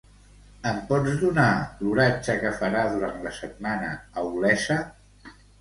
Em pots donar l'oratge que farà durant la setmana a Olesa?